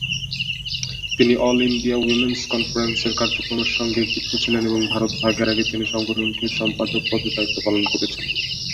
তিনি all India women's কনফারেন্সের কার্যক্রমের সঙ্গে যুক্ত ছিলেন এবং ভারত ভাগের আগে তিনি সংগঠনটির সম্পাদক পদে দায়িত্ব পালন করছেন।